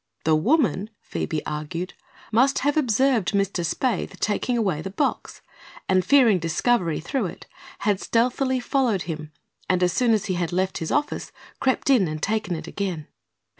The woman, Phoebe argued, must have observed Mr. Spaythe taking away the box and, fearing discovery through it, had stealthily followed him and as soon as he had left his office crept in and taken it again.